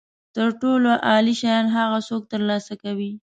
تر ټولو عالي شیان هغه څوک ترلاسه کوي.